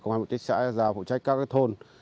công an phụ trách các thôn